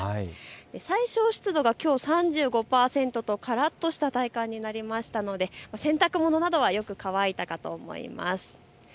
最小湿度が３５％とからっとした体感になりましたので洗濯物などもよく乾いたと思います。